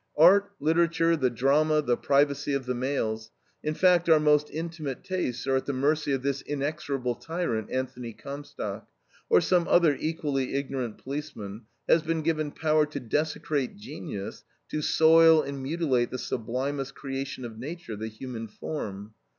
Art, literature, the drama, the privacy of the mails, in fact, our most intimate tastes, are at the mercy of this inexorable tyrant. Anthony Comstock, or some other equally ignorant policeman, has been given power to desecrate genius, to soil and mutilate the sublimest creation of nature the human form.